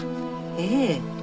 ええ。